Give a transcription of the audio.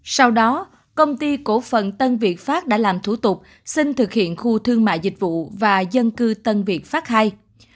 sau đó công ty cổ phần tân việt pháp đã làm thủ tục xin thực hiện khu thương mại dịch vụ và dân cư tân việt pháp ii